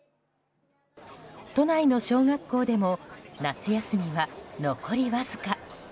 都内の小学校でも夏休みは残りわずか。